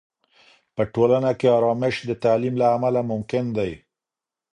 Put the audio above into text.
په ټولنه کې آرامش د تعلیم له امله ممکن دی.